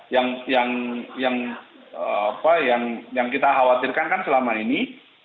yang yang yang apa yang yang kita khawatirkan kan selama ini